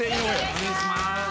お願いします。